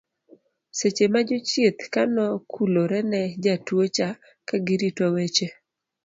seche ma jochieth ka nokulore ne jatua cha kagirito weche